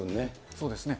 そうですね。